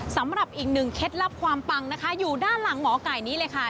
สำหรับอีกหนึ่งเคล็ดลับความปังนะคะอยู่ด้านหลังหมอไก่นี้เลยค่ะ